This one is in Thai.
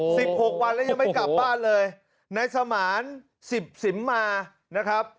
หกวันแล้วยังไม่กลับบ้านเลยนายสมานสิบสิมมานะครับ